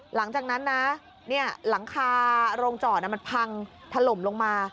หลังจากนั้นนะหลังคาโรงจอดมันพังถล่มลงมา